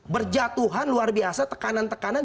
berjatuhan luar biasa tekanan tekanan